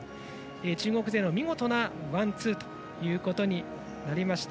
中国勢の見事なワンツーということになりました。